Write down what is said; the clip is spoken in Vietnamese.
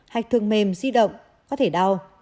hạch thường mềm di động có thể đau